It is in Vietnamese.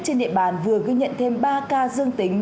trên địa bàn vừa ghi nhận thêm ba ca dương tính